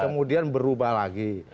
kemudian berubah lagi